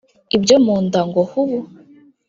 ibyo mu nda ngo hubu